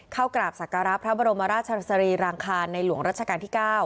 เข้ากราบศักระพระบรมราชสรีรางคารในหลวงรัชกาลที่๙